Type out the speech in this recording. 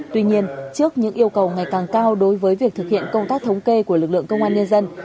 tuy nhiên trước những yêu cầu ngày càng cao đối với việc thực hiện công tác thống kê của lực lượng công an nhân dân